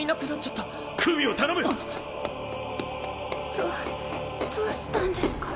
どどうしたんですか？